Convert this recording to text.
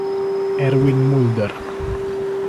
Erwin Mulder